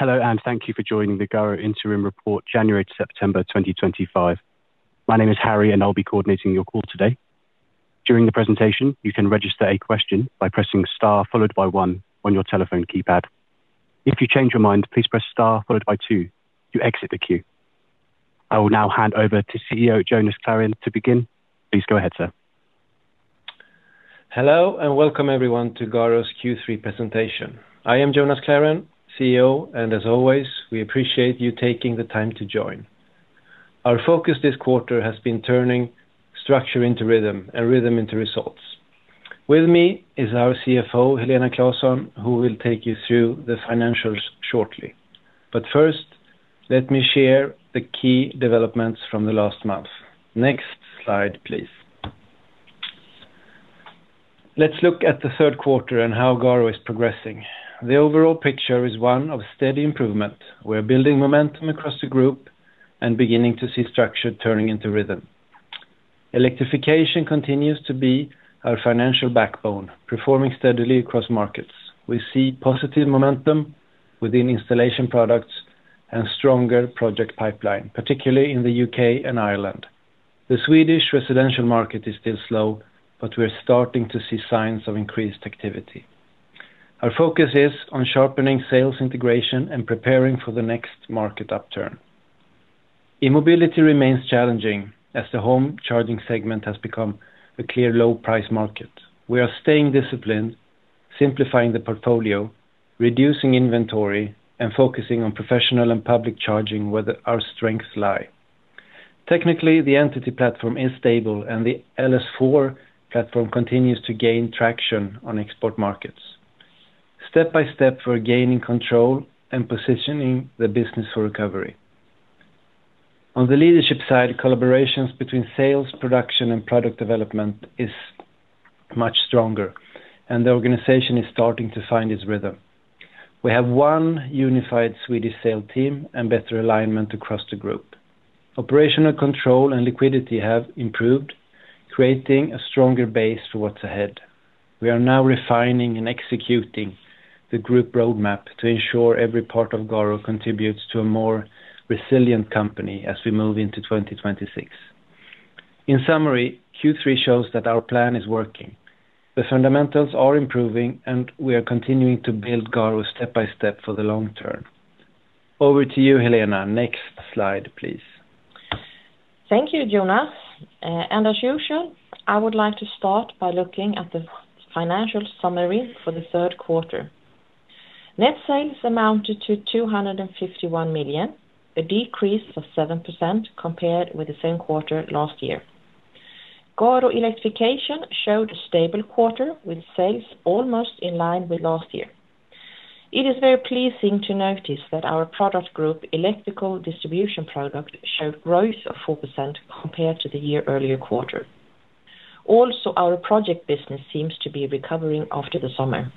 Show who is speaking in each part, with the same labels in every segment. Speaker 1: Hello and thank you for joining the GARO Interim Report, January to September 2025. My name is Harry, and I'll be coordinating your call today. During the presentation, you can register a question by pressing *1 on your telephone keypad. If you change your mind, please press *2 to exit the queue. I will now hand over to CEO Jonas Klarén to begin. Please go ahead, sir.
Speaker 2: Hello and welcome everyone to GARO's Q3 presentation. I am Jonas Klarén, CEO, and as always, we appreciate you taking the time to join. Our focus this quarter has been turning structure into rhythm and rhythm into results. With me is our CFO, Helena Claesson, who will take you through the financials shortly. First, let me share the key developments from the last month. Next slide, please. Let's look at the third quarter and how GARO is progressing. The overall picture is one of steady improvement. We're building momentum across the group and beginning to see structure turning into rhythm. Electrification continues to be our financial backbone, performing steadily across markets. We see positive momentum within installation products and stronger project pipeline, particularly in the U.K. and Ireland. The Swedish residential market is still slow, but we're starting to see signs of increased activity. Our focus is on sharpening sales integration and preparing for the next market upturn. E-mobility remains challenging as the home charging segment has become a clear low-price market. We are staying disciplined, simplifying the portfolio, reducing inventory, and focusing on professional and public charging where our strengths lie. Technically, the Entity Pro platform is stable, and the LS4 platform continues to gain traction on export markets. Step by step, we're gaining control and positioning the business for recovery. On the leadership side, collaborations between sales, production, and product development are much stronger, and the organization is starting to find its rhythm. We have one unified Swedish sales team and better alignment across the group. Operational control and liquidity have improved, creating a stronger base for what is ahead. We are now refining and executing the group roadmap to ensure every part of GARO contributes to a more resilient company as we move into 2026. In summary, Q3 shows that our plan is working. The fundamentals are improving, and we are continuing to build GARO step by step for the long term. Over to you, Helena. Next slide, please.
Speaker 3: Thank you, Jonas. As usual, I would like to start by looking at the financial summary for the third quarter. Net sales amounted to 251 million, a decrease of 7% compared with the same quarter last year. GARO Electrification showed a stable quarter, with sales almost in line with last year. It is very pleasing to notice that our product group, Electrical Distribution Products, showed growth of 4% compared to the year's earlier quarter. Also, our project business seems to be recovering after the summer.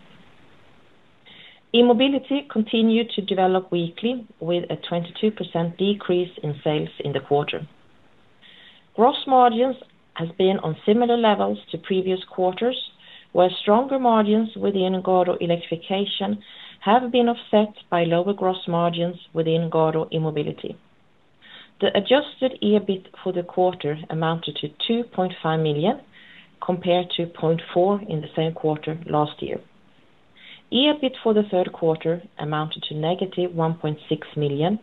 Speaker 3: E-mobility continued to develop weakly, with a 22% decrease in sales in the quarter. Gross margins have been on similar levels to previous quarters, where stronger margins within GARO Electrification have been offset by lower gross margins within GARO E-mobility. The adjusted EBIT for the quarter amounted to 2.5 million compared to 0.4 million in the same quarter last year. EBIT for the third quarter amounted to negative 1.6 million,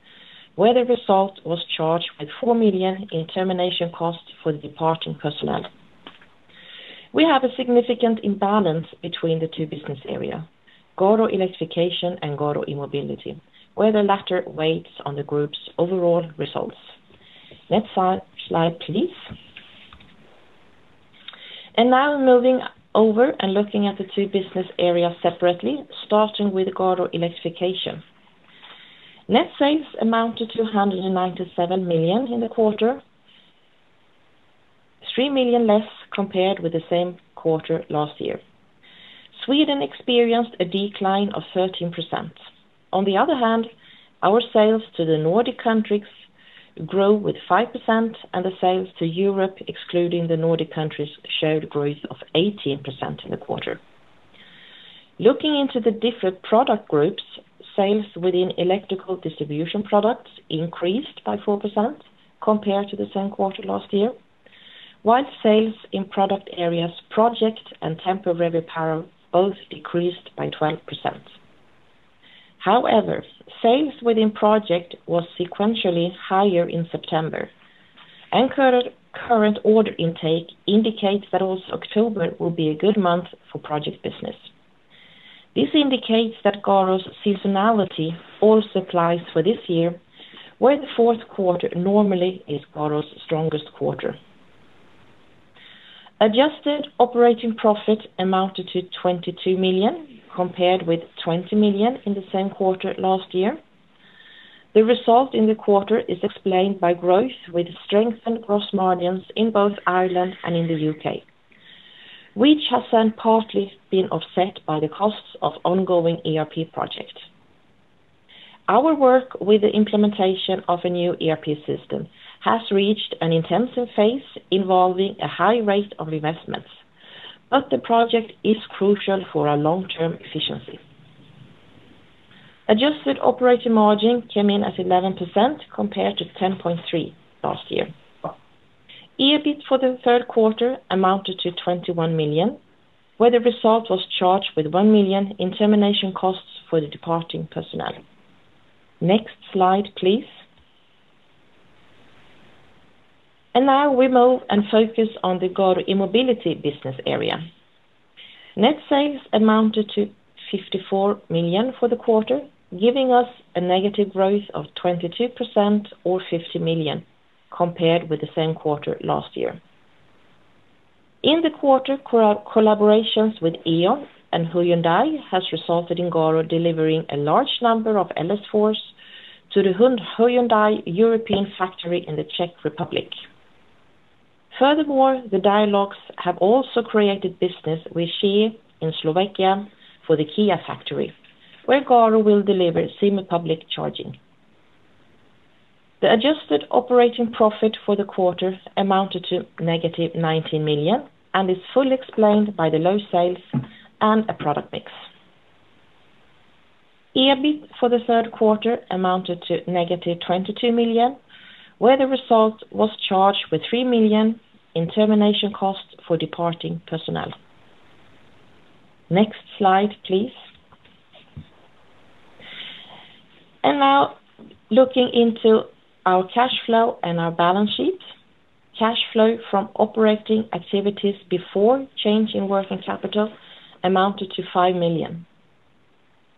Speaker 3: where the result was charged with 4 million in termination costs for the departing personnel. We have a significant imbalance between the two business areas, GARO Electrification and GARO E-mobility, where the latter weighs on the group's overall results. Next slide, please. Now moving over and looking at the two business areas separately, starting with GARO Electrification. Net sales amounted to 297 million in the quarter, 3 million less compared with the same quarter last year. Sweden experienced a decline of 13%. On the other hand, our sales to the Nordic countries grew with 5%, and the sales to Europe, excluding the Nordic countries, showed growth of 18% in the quarter. Looking into the different product groups, sales within Electrical Distribution Products increased by 4% compared to the same quarter last year, while sales in product areas Project and Temporary Power both decreased by 12%. However, sales within Project were sequentially higher in September. Anchored current order intake indicates that October will be a good month for project business. This indicates that GARO's seasonality also applies for this year, where the fourth quarter normally is GARO's strongest quarter. Adjusted operating profit amounted to 22 million compared with 20 million in the same quarter last year. The result in the quarter is explained by growth with strengthened gross margins in both Ireland and in the U.K., which has then partly been offset by the costs of ongoing ERP projects. Our work with the implementation of a new ERP system has reached an intensive phase involving a high rate of reinvestments, but the project is crucial for our long-term efficiency. Adjusted operating margin came in at 11% compared to 10.3% last year. EBIT for the third quarter amounted to 21 million, where the result was charged with 1 million in termination costs for the departing personnel. Next slide, please. Now we move and focus on the GARO E-Mobility business area. Net sales amounted to 54 million for the quarter, giving us a negative growth of 22% or 50 million compared with the same quarter last year. In the quarter, collaborations with E.ON and Hyundai have resulted in GARO delivering a large number of LS4s to the Hyundai European factory in the Czech Republic. Furthermore, the dialogues have also created business with ZSE in Slovakia for the Kia factory, where GARO will deliver semi-public charging. The adjusted operating profit for the quarter amounted to negative 19 million and is fully explained by the low sales and product mix. EBIT for the third quarter amounted to -22 million, where the result was charged with 3 million in termination costs for departing personnel. Next slide, please. Now looking into our cash flow and our balance sheet, cash flow from operating activities before change in working capital amounted to 5 million.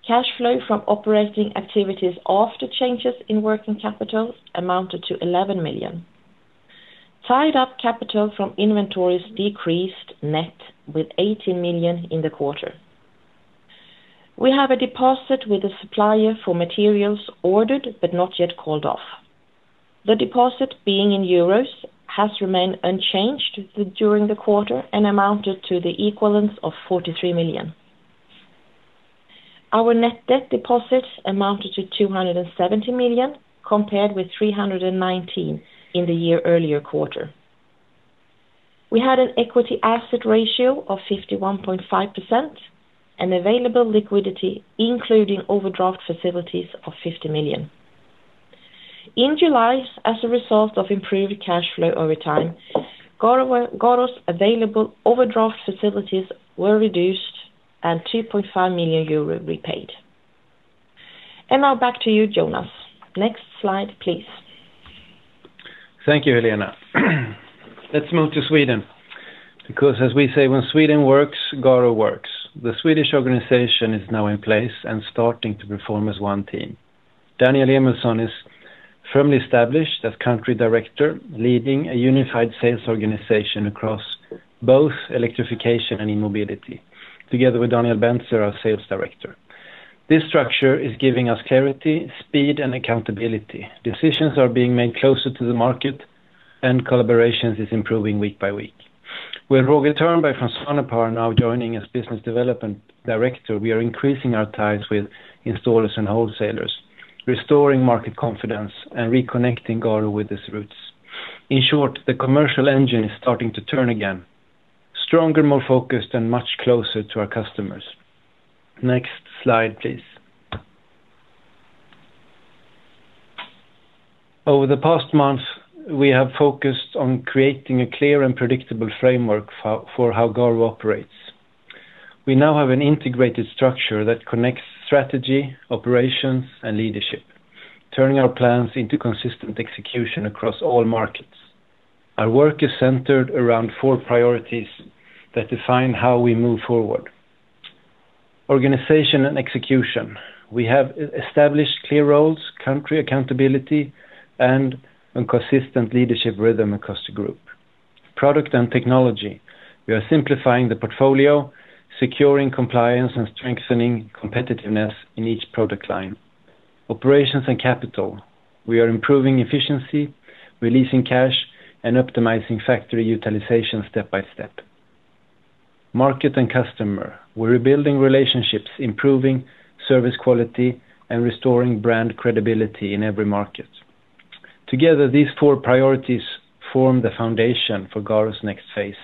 Speaker 3: Cash flow from operating activities after changes in working capital amounted to 11 million. Tied-up capital from inventories decreased net with 18 million in the quarter. We have a deposit with a supplier for materials ordered but not yet called off. The deposit, being in euros, has remained unchanged during the quarter and amounted to the equivalent of 43 million. Our net debt deposit amounted to 270 million compared with 319 million in the year's earlier quarter. We had an equity-asset ratio of 51.5% and available liquidity, including overdraft facilities, of 50 million. In July, as a result of improved cash flow over time, GARO's available overdraft facilities were reduced and 2.5 million euro repaid. Now back to you, Jonas. Next slide, please.
Speaker 2: Thank you, Helena. Let's move to Sweden. Because as we say, when Sweden works, GARO works. The Swedish organization is now in place and starting to perform as one team. Daniel Emilsson is firmly established as Country Director, leading a unified sales organization across both Electrification and E-mobility, together with Daniel Bentzer, our Sales Director. This structure is giving us clarity, speed, and accountability. Decisions are being made closer to the market, and collaborations are improving week by week. With Roger Törnberg and Franz Svanepaar now joining as Business Development Director, we are increasing our ties with installers and wholesalers, restoring market confidence, and reconnecting GARO with its roots. In short, the commercial engine is starting to turn again, stronger, more focused, and much closer to our customers. Next slide, please. Over the past month, we have focused on creating a clear and predictable framework for how GARO operates. We now have an integrated structure that connects strategy, operations, and leadership, turning our plans into consistent execution across all markets. Our work is centered around four priorities that define how we move forward: organization and execution. We have established clear roles, country accountability, and a consistent leadership rhythm across the group. Product and technology. We are simplifying the portfolio, securing compliance, and strengthening competitiveness in each product line. Operations and capital. We are improving efficiency, releasing cash, and optimizing factory utilization step by step. Market and customer. We're rebuilding relationships, improving service quality, and restoring brand credibility in every market. Together, these four priorities form the foundation for GARO's next phase: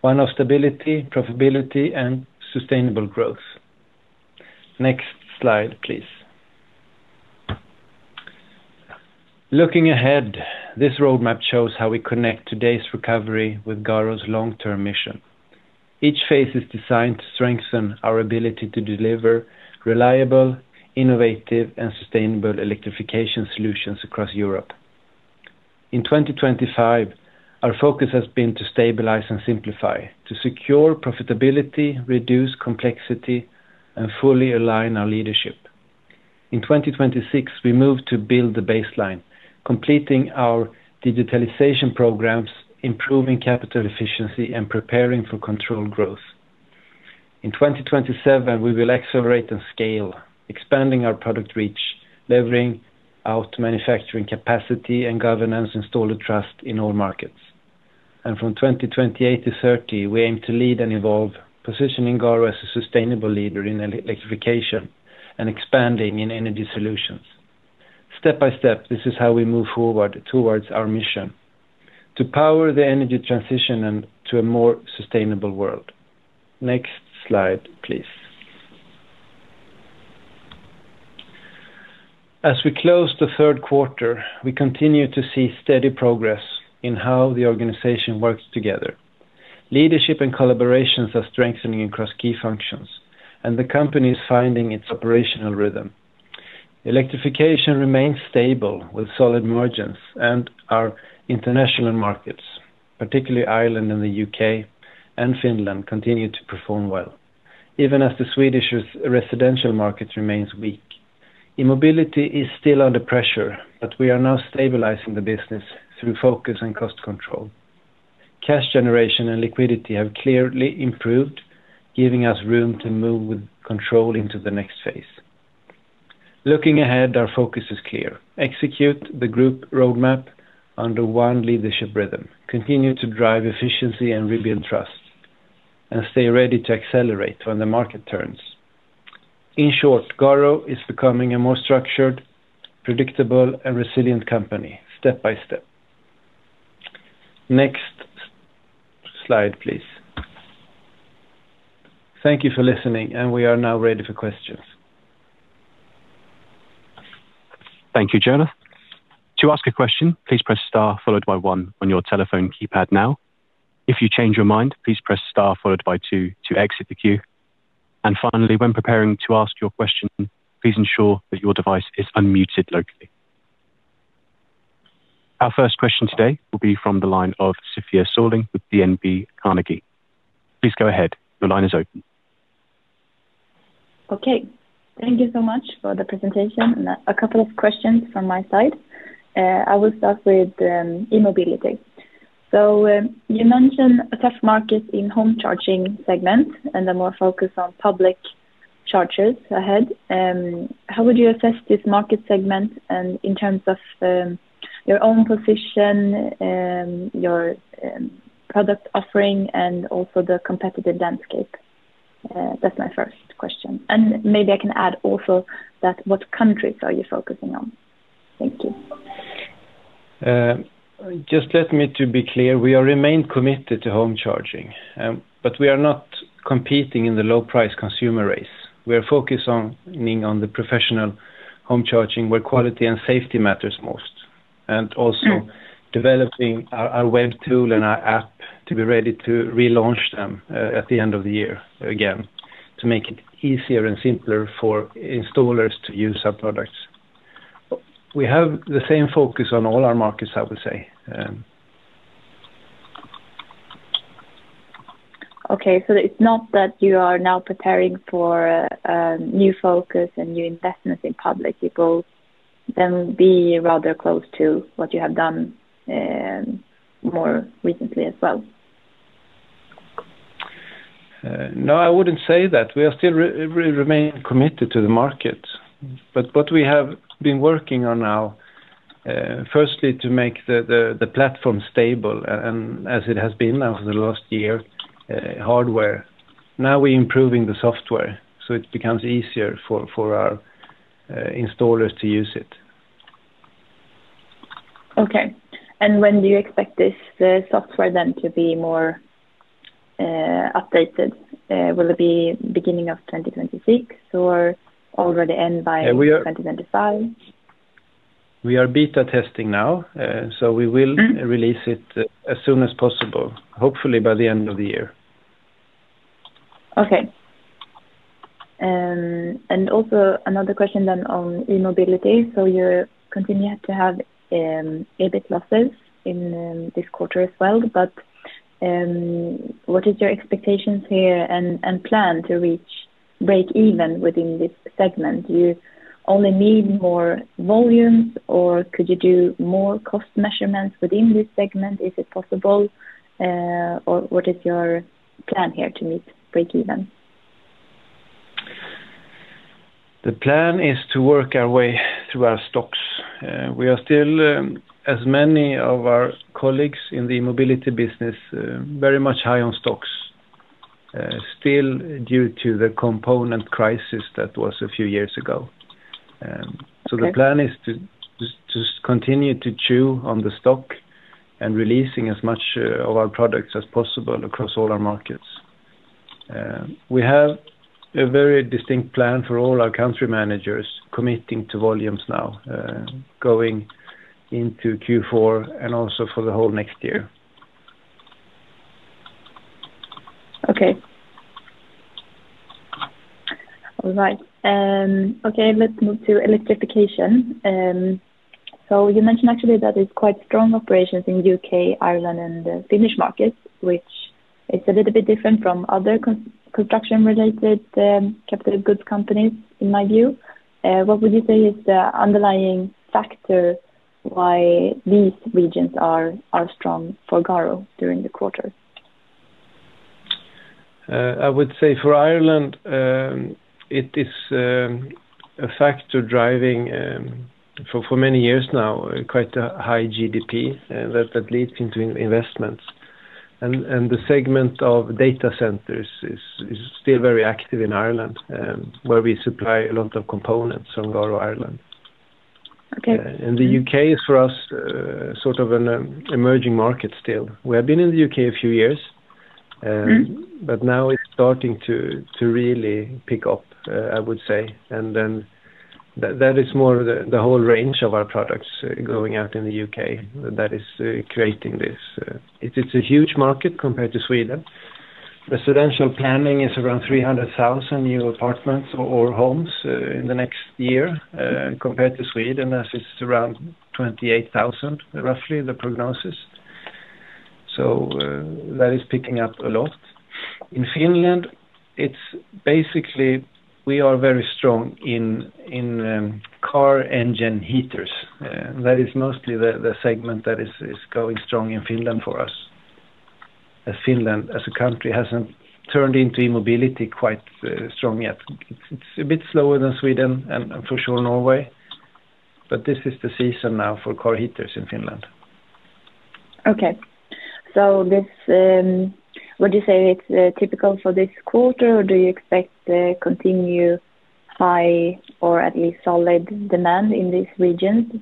Speaker 2: one of stability, profitability, and sustainable growth. Next slide, please. Looking ahead, this roadmap shows how we connect today's recovery with GARO's long-term mission. Each phase is designed to strengthen our ability to deliver reliable, innovative, and Sustainable Electrification Solutions across Europe. In 2025, our focus has been to stabilize and simplify, to secure profitability, reduce complexity, and fully align our leadership. In 2026, we move to build the baseline, completing our digitalization programs, improving capital efficiency, and preparing for controlled growth. In 2027, we will accelerate and scale, expanding our product reach, leveraging our manufacturing capacity and governance installer trust in all markets. From 2028 to 2030, we aim to lead and evolve, positioning GARO as a sustainable leader in Electrification and expanding in energy solutions. Step by step, this is how we move forward towards our mission: to power the energy transition and to a more sustainable world. Next slide, please. As we close the third quarter, we continue to see steady progress in how the organization works together. Leadership and collaborations are strengthening across key functions, and the company is finding its operational rhythm. Electrification remains stable with solid margins, and our international markets, particularly Ireland, the U.K., and Finland, continue to perform well, even as the Swedish residential market remains weak. E-mobility is still under pressure, but we are now stabilizing the business through focus and cost control. Cash generation and liquidity have clearly improved, giving us room to move with control into the next phase. Looking ahead, our focus is clear: execute the group roadmap under one leadership rhythm, continue to drive efficiency and rebuild trust, and stay ready to accelerate when the market turns. In short, GARO is becoming a more structured, predictable, and resilient company, step by step. Next slide, please. Thank you for listening, and we are now ready for questions.
Speaker 1: Thank you, Jonas. To ask a question, please press Star followed by one on your telephone keypad now. If you change your mind, please press Star followed by two to exit the queue. Finally, when preparing to ask your question, please ensure that your device is unmuted locally. Our first question today will be from the line of Sofia Sörling with DNB Carnegie. Please go ahead. Your line is open.
Speaker 4: Okay. Thank you so much for the presentation. A couple of questions from my side. I will start with e-mobility. You mentioned a tough market in the home charging segment and a more focus on public chargers ahead. How would you assess this market segment in terms of your own position, your product offering, and also the competitive landscape? That is my first question. Maybe I can add also, what countries are you focusing on? Thank you.
Speaker 2: Just let me be clear. We remain committed to home charging, but we are not competing in the low-price consumer race. We are focusing on the professional home charging where quality and safety matters most, and also developing our web tool and our app to be ready to relaunch them at the end of the year again to make it easier and simpler for installers to use our products. We have the same focus on all our markets, I would say.
Speaker 4: Okay. So it's not that you are now preparing for a new focus and new investments in public. You both then be rather close to what you have done more recently as well.
Speaker 2: No, I wouldn't say that. We still remain committed to the market. What we have been working on now, firstly, is to make the platform stable, and as it has been now for the last year, hardware. Now we're improving the software so it becomes easier for our installers to use it.
Speaker 4: Okay. When do you expect this software then to be more updated? Will it be the beginning of 2026 or already end by 2025?
Speaker 2: We are beta testing now, so we will release it as soon as possible, hopefully by the end of the year.
Speaker 4: Okay. Also, another question then on e-mobility. You continue to have EBIT losses in this quarter as well. What is your expectation here and plan to reach break-even within this segment? Do you only need more volumes, or could you do more cost measurements within this segment? Is it possible? What is your plan here to meet break-even?
Speaker 2: The plan is to work our way through our stocks. We are still, as many of our colleagues in the e-mobility business, very much high on stocks, still due to the component crisis that was a few years ago. The plan is to continue to chew on the stock and releasing as much of our products as possible across all our markets. We have a very distinct plan for all our country managers committing to volumes now, going into Q4 and also for the whole next year.
Speaker 4: Okay. All right. Okay. Let's move to Electrification. You mentioned actually that it's quite strong operations in the U.K., Ireland, and the Finnish markets, which is a little bit different from other construction-related capital goods companies, in my view. What would you say is the underlying factor why these regions are strong for GARO during the quarter?
Speaker 2: I would say for Ireland, it is a factor driving for many years now quite a high GDP that leads into investments. The segment of data centers is still very active in Ireland, where we supply a lot of components from GARO Ireland. The U.K. is, for us, sort of an emerging market still. We have been in the U.K. a few years, but now it is starting to really pick up, I would say. That is more of the whole range of our products going out in the U.K. that is creating this. It is a huge market compared to Sweden. Residential planning is around 300,000 new apartments or homes in the next year compared to Sweden, as it is around 28,000, roughly, the prognosis. That is picking up a lot. In Finland, it is basically we are very strong in car engine heaters. That is mostly the segment that is going strong in Finland for us, as Finland as a country has not turned into e-mobility quite strong yet. It is a bit slower than Sweden and for sure Norway. This is the season now for car heaters in Finland.
Speaker 4: Okay. So would you say it's typical for this quarter, or do you expect continued high or at least solid demand in these regions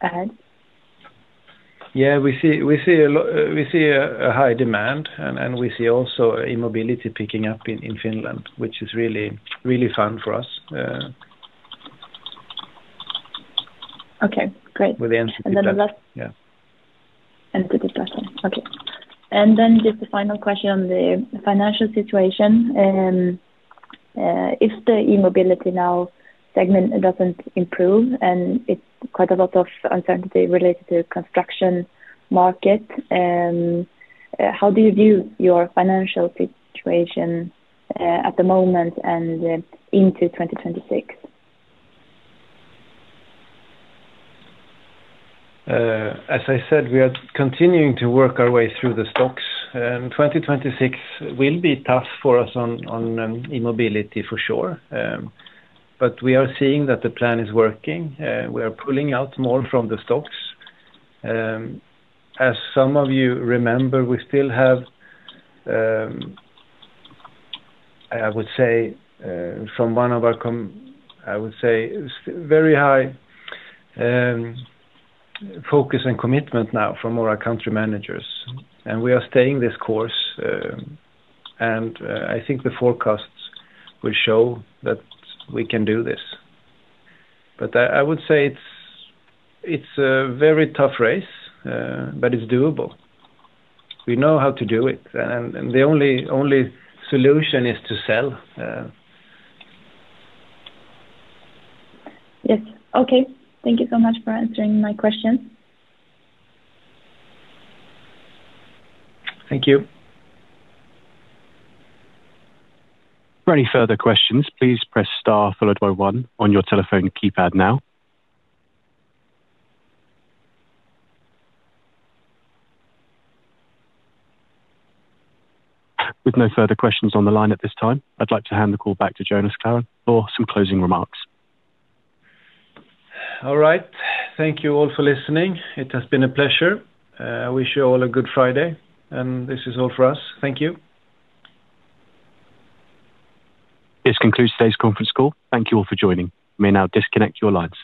Speaker 4: ahead?
Speaker 2: Yeah, we see a high demand, and we see also e-mobility picking up in Finland, which is really fun for us.
Speaker 4: Okay. Great. And then the last.
Speaker 2: With the answer to that.
Speaker 4: To the question. Okay. And then just a final question on the financial situation. If the E-mobility now segment doesn't improve and it's quite a lot of uncertainty related to the construction market, how do you view your financial situation at the moment and into 2026?
Speaker 2: As I said, we are continuing to work our way through the stocks. 2026 will be tough for us on E-mobility for sure. We are seeing that the plan is working. We are pulling out more from the stocks. As some of you remember, we still have, I would say, very high focus and commitment now from all our country managers. We are staying this course. I think the forecasts will show that we can do this. I would say it's a very tough race, but it's doable. We know how to do it. The only solution is to sell.
Speaker 4: Yes. Okay. Thank you so much for answering my question.
Speaker 2: Thank you.
Speaker 1: For any further questions, please press Star followed by one on your telephone keypad now. With no further questions on the line at this time, I'd like to hand the call back to Jonas Klarén for some closing remarks.
Speaker 2: All right. Thank you all for listening. It has been a pleasure. I wish you all a good Friday. This is all for us. Thank you.
Speaker 1: This concludes today's conference call. Thank you all for joining. You may now disconnect your lines.